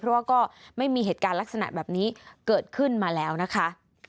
เพราะว่าก็ไม่มีเหตุการณ์ลักษณะแบบนี้เกิดขึ้นมาแล้วนะคะ